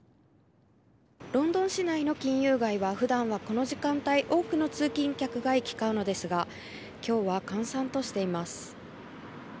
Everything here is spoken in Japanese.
ロンドン市内の金融街は普段は、この時間帯多くの通勤客が行き交うのですが今日は閑散としています。